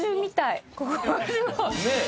ねえ！